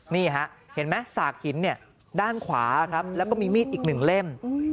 นี่ฮะเห็นไหมสากหินเนี่ยด้านขวาครับแล้วก็มีมีดอีกหนึ่งเล่ม